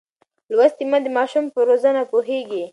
لوستې میندې د ماشوم پر روزنه پوهېږي.